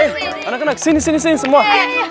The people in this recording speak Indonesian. eh anak anak sini sini semua